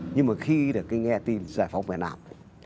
nhưng mà khi được nghe tin giải phóng về nào